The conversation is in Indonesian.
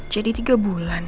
jadi tiga bulan